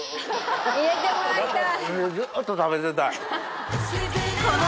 入れてもらいたい！